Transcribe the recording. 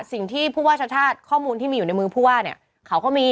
สิ่งที่ผู้ว่าชาติชาติข้อมูลที่มีอยู่ในมือผู้ว่าเนี่ยเขาก็มี